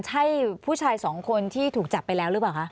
ใช่ผู้ชายสองคนที่ถูกจับไปแล้วหรือเปล่าคะ